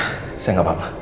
yah saya gapapa